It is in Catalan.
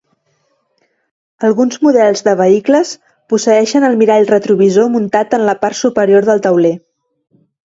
Alguns models de vehicles posseeixen el mirall retrovisor muntat en la part superior del tauler.